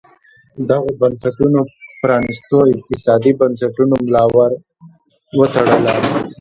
دغو بنسټونو پرانیستو اقتصادي بنسټونو ملا ور وتړله.